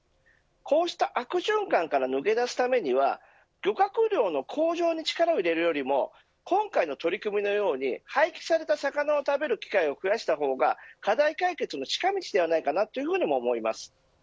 こうした悪循環から抜け出すためには漁獲量の向上に力を入れるよりも今回の取り組みのように廃棄された魚を食べる機会を増やした方が課題解決の近道だなと思います。